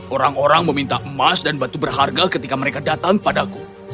orang orang meminta emas dan batu berharga ketika mereka datang padaku